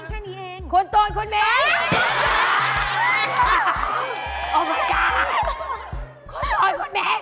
ช่วยคุณเนี้ย